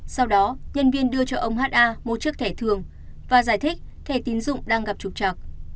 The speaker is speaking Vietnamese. sau đó nhân viên đưa cho ông pha một chiếc thẻ thường và giải thích thẻ tiến dụng đang gặp trục trặc